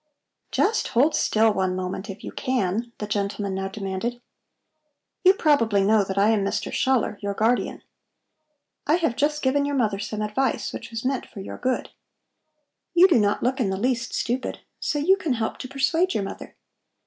"Just hold still one moment, if you can," the gentleman now demanded. "You probably know that I am Mr. Schaller, your guardian. I have just given your mother some advice, which was meant for your good. You do not look in the least stupid, so you can help to persuade your mother.